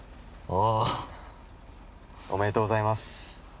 おめでとうございます